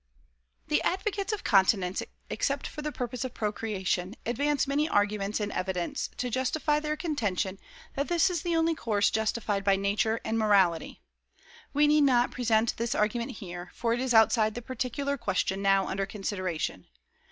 The advocates of continence, except for the purpose of procreation, advance many arguments and evidence to justify their contention that this is the only course justified by Nature and Morality. We need not present this argument here, for it is outside the particular question now under consideration.